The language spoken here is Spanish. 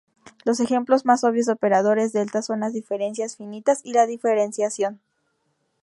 Los ejemplos más obvios de operadores delta son las diferencias finitas y la diferenciación.